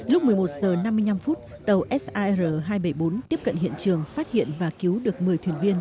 lúc một mươi một h năm mươi năm tàu sar hai trăm bảy mươi bốn tiếp cận hiện trường phát hiện và cứu được một mươi thuyền viên